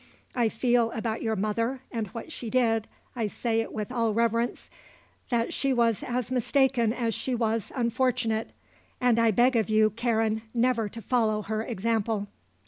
I feel about your mother, and what she did I say it with all reverence that she was as mistaken as she was unfortunate. And I beg of you, Karen, never to follow her example."